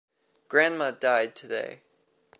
Grandma died today